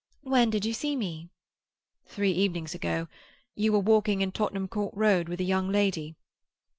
"When did you see me?" "Three evenings ago. You were walking in Tottenham Court Road with a young lady."